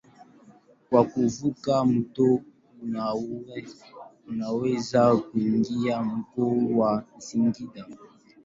Kwa kuvuka mto Ruaha unaweza kuingia mkoa wa Singida.